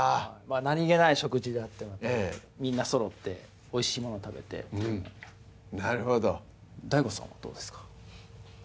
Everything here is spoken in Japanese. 何気ない食事であってもみんなそろっておいしいもの食べてなるほどＤＡＩＧＯさんはどうですか？